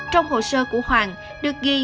trong hồ sơ của hoàng được ghi là